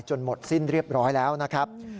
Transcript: หมดสิ้นเรียบร้อยแล้วนะครับ